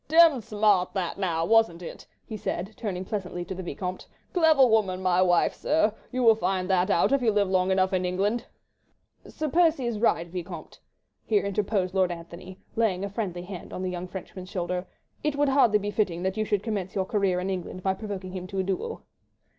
"Demmed smart that now, wasn't it?" he said, turning pleasantly to the Vicomte. "Clever woman my wife, sir. ... You will find that out if you live long enough in England." "Sir Percy is in the right, Vicomte," here interposed Lord Antony, laying a friendly hand on the young Frenchman's shoulder. "It would hardly be fitting that you should commence your career in England by provoking him to a duel."